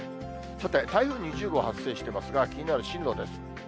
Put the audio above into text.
さて、台風２０号、発生してますが、気になる進路です。